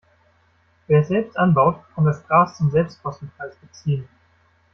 Wer es selbst anbaut, kann das Gras zum Selbstkostenpreis beziehen.